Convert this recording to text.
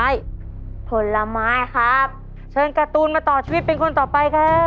ชอบกินผลไม้ไหมคะ